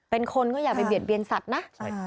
เป็นคนก็อย่าไปเบียดเบียนสัตว์นะ